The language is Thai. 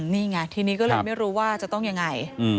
นี่ไงทีนี้ก็เลยไม่รู้ว่าจะต้องยังไง